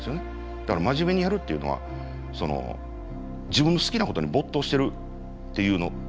だから真面目にやるっていうのは自分の好きなことに没頭してるっていうの。